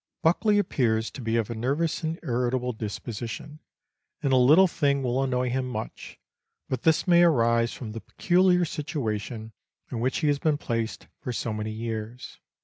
Buckley appears to be of a nervous and irritable disposition, and a little thing will annoy him much, but this may arise from the peculiar situation in which he has been placed for so many years.